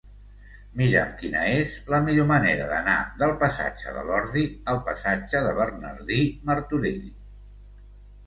Mira'm quina és la millor manera d'anar del passatge de l'Ordi al passatge de Bernardí Martorell.